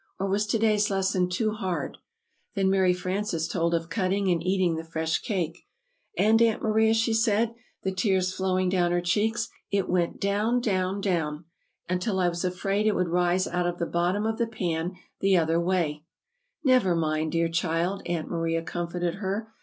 or was to day's lesson too hard?" Then Mary Frances told of cutting and eating the fresh cake. "And, Aunt Maria," she said, the tears flowing down her cheeks, "it went down! down! down! until I was afraid it would rise out of the bottom of the pan the other way." [Illustration: "What's the matter, child?"] "Never mind, dear child," Aunt Maria comforted her.